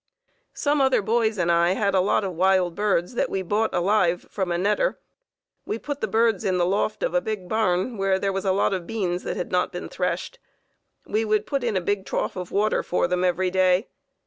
Some other boys and I had a lot of wild birds that we bought alive from a netter. We put the birds in the loft of a big barn where there was a lot of beans that had not been threshed. We would put in a big trough of water for them every day.